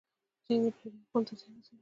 جنګ د بشري حقونو ته زیان رسوي.